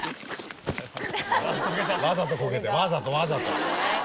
わざとコケてわざとわざと。